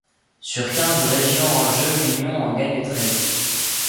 Sur quinze régions en jeu, L'Union en gagne treize.